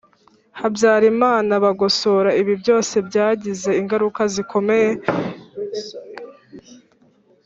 Habyarimana bagosora ibi byose byagize ingaruka zikomeye